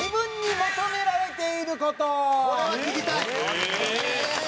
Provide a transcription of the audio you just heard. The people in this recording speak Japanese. これは聞きたい！